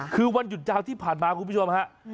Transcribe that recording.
คือวันหยุดเจ้าที่ผ่านมาครับคุณพี่ชมฮะ